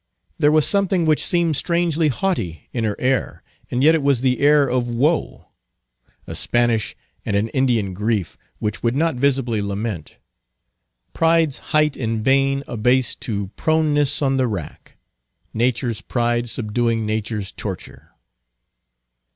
There was something which seemed strangely haughty in her air, and yet it was the air of woe. A Spanish and an Indian grief, which would not visibly lament. Pride's height in vain abased to proneness on the rack; nature's pride subduing nature's torture.